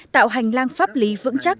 tạo hành lang pháp lý vững chắc